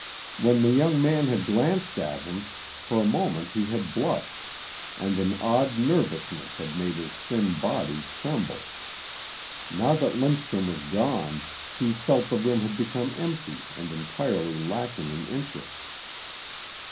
When the young man had glanced at him for a moment he had blushed and an odd nervousness had made his thin body tremble. Now that Lindstrum was gone he felt the room had become empty and entirely lacking in interest.